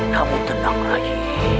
kamu tenang rai